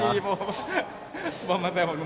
โอ๊คายจะดำตาบริเหรอ